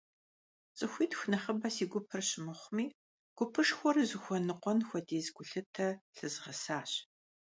ЦӀыхуитху нэхъыбэ си гупыр щымыхъуми, гупышхуэр зыхуэныкъуэн хуэдиз гулъытэ лъызгъэсащ.